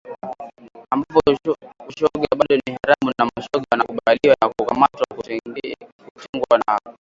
ambapo ushoga bado ni haramu na mashoga wanakabiliwa na kukamatwa kutengwa na ghasia